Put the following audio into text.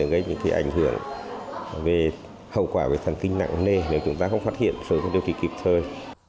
gây những cái ảnh hưởng về hậu quả về thần kinh nặng nề nếu chúng ta không phát hiện rồi thì kịp thời